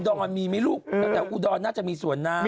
อนมีไหมลูกแถวอุดรน่าจะมีสวนน้ำ